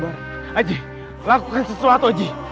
aji lakukan sesuatu